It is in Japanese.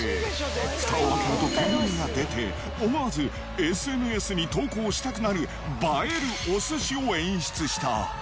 ふたを開けると煙が出て、思わずＳＮＳに投稿したくなる映えるお寿司を演出した。